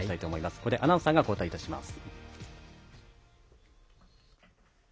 ここでアナウンサーが交代いたします。